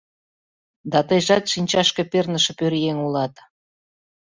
Да тыйжат шинчашке перныше пӧръеҥ улат.